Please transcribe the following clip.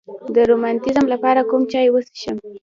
د روماتیزم لپاره کوم چای وڅښم؟